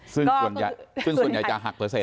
ซึ่งส่วนใหญ่จะหักเปอร์เซ็นต์